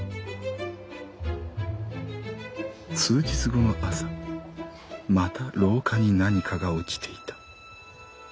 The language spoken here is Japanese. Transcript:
「数日後の朝また廊下に何かが落ちていた。